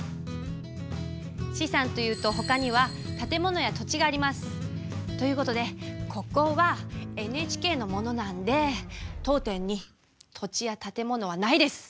資産というとほかにはという事でここはＮＨＫのものなんで当店に土地や建物はないです。